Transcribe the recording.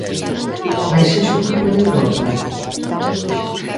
Mais iso é culpa de Europa?